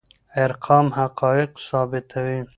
ارقام حقایق ثابتوي.